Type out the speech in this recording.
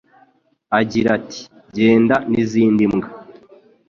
agira ati Genda n'izindi mbwa